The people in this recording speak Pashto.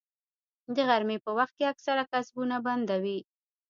د غرمې په وخت کې اکثره کسبونه بنده وي